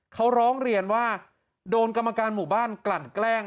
เขาร้องเรียนว่าโดนกรรมการหมู่บ้านกลั่นแกล้ง